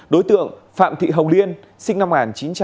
đối tượng phạm thị hồng liên sinh năm một nghìn chín trăm tám mươi